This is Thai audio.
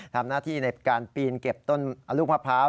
ทำหน้าที่ในการปีนเก็บต้นลูกมะพร้าว